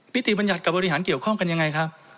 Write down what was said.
นิติบรรยัติกับบริหารเกี่ยวข้องกันอย่างไรครับ